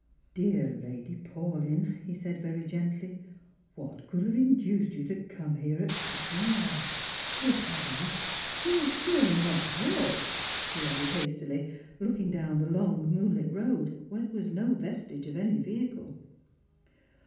" Dear Lady Paulyn," ho said very gently, " what could have induced you to come here at such an hour ? Good heavens, you have surely not walked ?" he added hastily : looking down the long moonlit road, where there was no vastige of any vehicle.